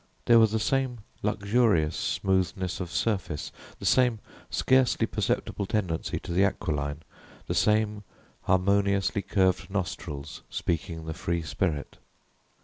There were the same luxurious smoothness of surface, the same scarcely perceptible tendency to the aquiline, the same harmoniously curved nostrils speaking the free spirit.